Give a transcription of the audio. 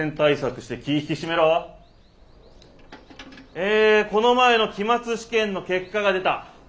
ええこの前の期末試験の結果が出た。